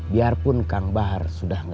biarpun kang bahar sudah gak ada